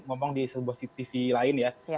ngomong di seboksi tv lain ya